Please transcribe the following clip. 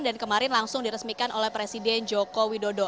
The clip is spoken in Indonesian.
dan kemarin langsung diresmikan oleh presiden jokowi dodo